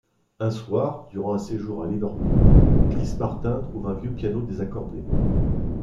Un soir, durant un séjour à Liverpool, Chris Martin trouve un vieux piano désaccordé.